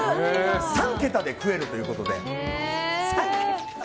３桁で食えるということで。